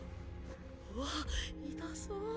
うわっ痛そう。